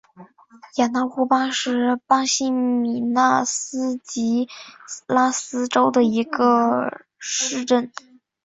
雅纳乌巴是巴西米纳斯吉拉斯州的一个市镇。